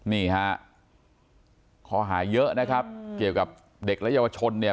นี่ฮะข้อหาเยอะนะครับเกี่ยวกับเด็กและเยาวชนเนี่ย